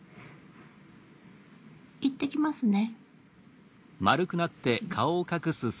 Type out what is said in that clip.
行ってきますね。